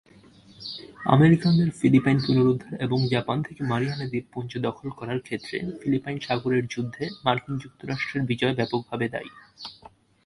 আমেরিকানদের Philippines পুনরুদ্ধার এবং Japan থেকে মারিয়ানা দ্বীপপুঞ্জ দখল করার ক্ষেত্রে ফিলিপাইন সাগরের যুদ্ধে মার্কিন যুক্তরাষ্ট্রের বিজয় ব্যাপকভাবে দায়ী।